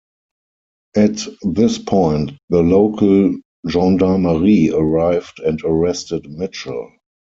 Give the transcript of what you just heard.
At this point, the local gendarmerie arrived and arrested Mitchell.